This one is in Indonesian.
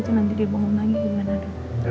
gak apa apa udah gak apa apa